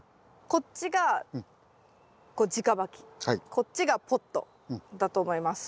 こっちがポットだと思います。